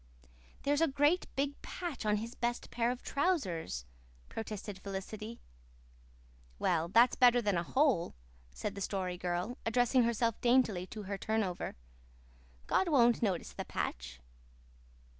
"There's a great big patch on his best pair of trousers," protested Felicity. "Well, that's better than a hole," said the Story Girl, addressing herself daintily to her turnover. "God won't notice the patch."